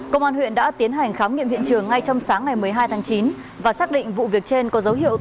công an huyện đã tiến hành khám nghiệm hiện trường ngay trong sáng ngày một mươi hai tháng chín và xác định vụ việc trên có dấu hiệu